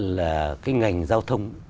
là cái ngành giao thông